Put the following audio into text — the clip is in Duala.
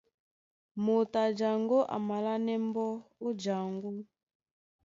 Moto a jaŋgó a malánɛ́ mbɔ́ ó jaŋgó.